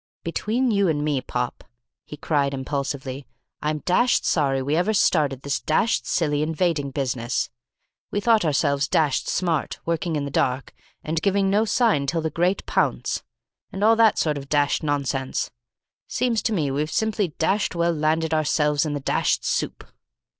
"Between you and me, Pop," he cried impulsively, "I'm dashed sorry we ever started this dashed silly invading business. We thought ourselves dashed smart, working in the dark, and giving no sign till the great pounce, and all that sort of dashed nonsense. Seems to me we've simply dashed well landed ourselves in the dashed soup."